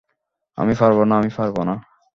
আমি পারব না, আমি পারব না।